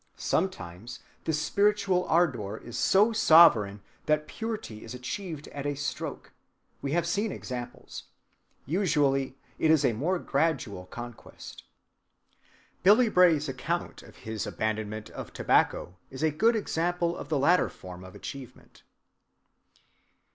Sometimes the spiritual ardor is so sovereign that purity is achieved at a stroke—we have seen examples. Usually it is a more gradual conquest. Billy Bray's account of his abandonment of tobacco is a good example of the latter form of achievement.